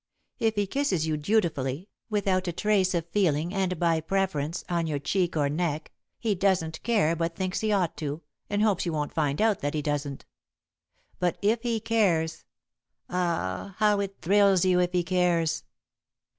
If he kisses you dutifully, without a trace of feeling, and, by preference, on your cheek or neck, he doesn't care but thinks he ought to, and hopes you won't find out that he doesn't. But, if he cares ah, how it thrills you if he cares!"